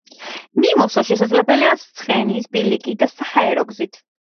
მიმოსვლა შესაძლებელია ცხენის ბილიკით და საჰაერო გზით.